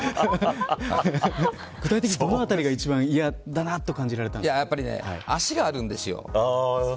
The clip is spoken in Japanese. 具体的にどのあたりが一番嫌だなと感じられたんですやっぱり、足があるんですよ。